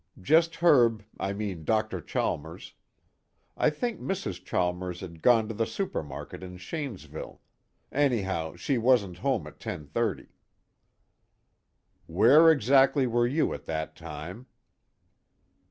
"Just Herb, I mean Dr. Chalmers. I think Mrs. Chalmers'd gone to the supermarket in Shanesville, anyhow she wasn't home at 10:30." "Where exactly were you at that time?"